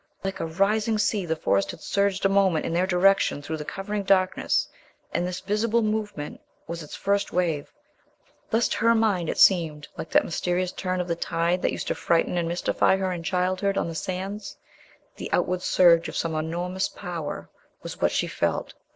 Like a rising sea the Forest had surged a moment in their direction through the covering darkness, and this visible movement was its first wave. Thus to her mind it seemed... like that mysterious turn of the tide that used to frighten and mystify her in childhood on the sands. The outward surge of some enormous Power was what she felt...